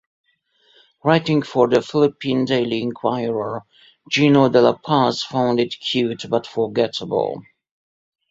Writing for the "Philippine Daily Inquirer", Gino DeLa Paz found it "cute but forgettable".